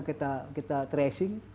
ketangkap kita tracing